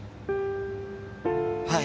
はい。